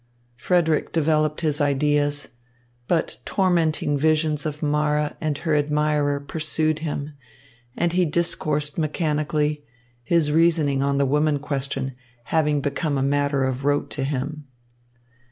Frederick developed his ideas. But tormenting visions of Mara and her admirer pursued him, and he discoursed mechanically, his reasoning on the woman question having become a matter of rote to him.